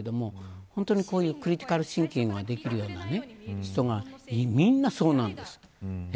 本当にこういうクリティカルシンキングができるような人みんなそうなんです。